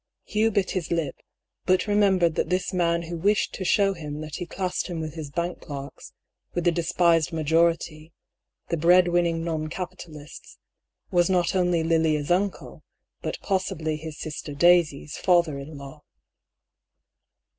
Hugh bit his lip, but remembered that this man who wished to show him that he classed him with his bank clerks, with the despised majority, the bread winning non capitalists, was not only Lilians uncle, but possibly his sister Daisy's father in law.